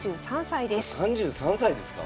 ３３歳ですか？